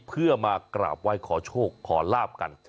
เพื่อมากราบไหว้ขอโชคขอลาบกัน